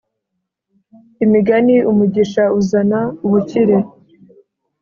Img umugisha uzana ubukire